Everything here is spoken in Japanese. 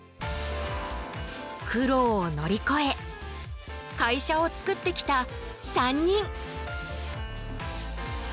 苦労を乗りこえ会社を作ってきた３人。